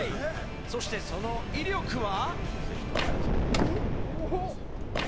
そして、その威力は。